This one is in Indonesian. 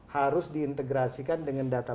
harus diintegrasikan dengan data